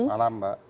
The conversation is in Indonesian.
selamat malam mbak